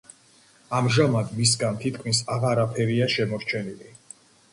ამჟამად მისგან თითქმის აღარაფერია შემორჩენილი.